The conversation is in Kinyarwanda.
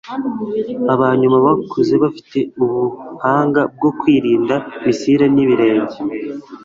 aba nyuma bakuze bafite ubuhanga bwo kwirinda misile n'ibirenge